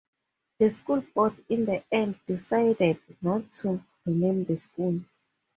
The school board in the end decided not to rename the school.